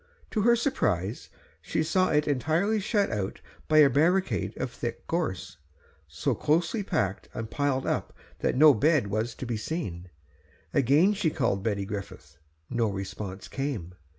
To her surprise she saw it entirely shut out by a barricade of thick gorse, so closely packed and piled up that no bed was to be seen. Again she called Betty Griffith; no response came.